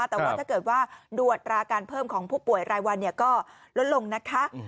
แต่ว่าถ้าเกิดว่าดวดราการเพิ่มของผู้ป่วยรายวันก็ลดลงนะคะ